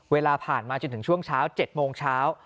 เวลาผ่านมาจนถึงช่วงเช้า๗โมงเช้า